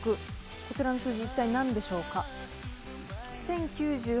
こちらの数字、一体何でしょうか。